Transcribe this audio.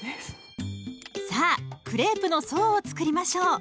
さあクレープの層を作りましょう。